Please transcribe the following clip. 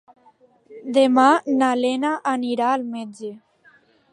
Demà na Lena anirà al metge.